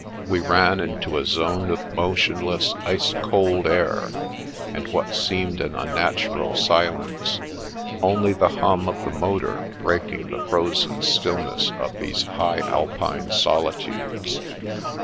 We ran into a zone of motionless, ice cold air, and what seemed an unnatural silence, only the himi of the motor breaking the frozen stillness of these high Alpine solitudes.